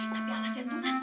tapi awas jantungan